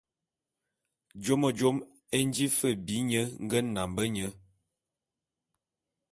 Jôme jôme é nji fe bi nye nge nambe nye.